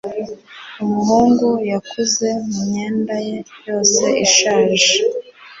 Umuhungu yakuze mumyenda ye yose ishaje.